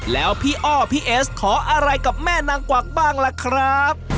แล้วพี่อ้อพี่เอสขออะไรกับแม่นางกวักบ้างล่ะครับ